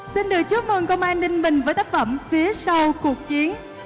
xin được chúc mừng công an ninh bình với tác phẩm phía sau cuộc chiến